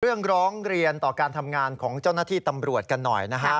เรื่องร้องเรียนต่อการทำงานของเจ้านักที่ตำรวจกันหน่อยนะครับ